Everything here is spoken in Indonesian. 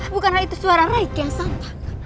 bukanlah itu suara raih akihan santan